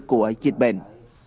của dịch bệnh